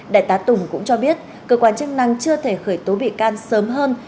đại tá tùng cũng cho biết cơ quan chức năng chưa thể khởi tố bị can sớm hơn